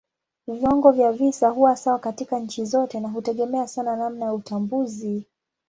Viwango vya visa huwa sawa katika nchi zote na hutegemea sana namna ya utambuzi.